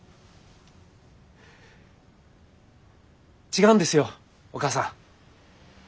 違うんですよお義母さん。